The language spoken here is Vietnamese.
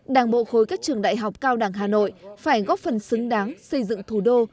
đảng bộ khối các trường đại học cao đẳng hà nội phải góp phần xứng đáng xây dựng thủ đô